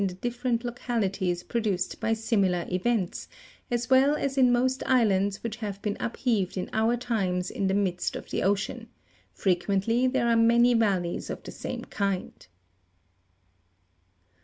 the different localities produced by similar events, as well as in most islands which have been upheaved in our times in the midst of the ocean ; frequently there are many valleys of the same kind.